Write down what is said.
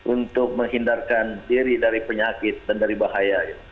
untuk menghindarkan diri dari penyakit dan dari bahaya